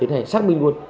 để tìm hiểu